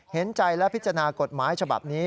เห็นใจและพิจารณากฎหมายฉบับนี้